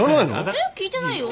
聞いてないよ。